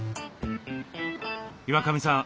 岩上さん